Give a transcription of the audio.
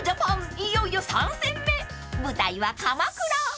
いよいよ３戦目舞台は鎌倉］